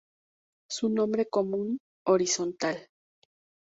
Su nombre común: "Horizontal".